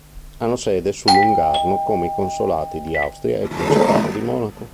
Hanno sede sul lungarno anche i consolati di Austria e Principato di Monaco.